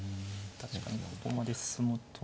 確かにここまで進むと。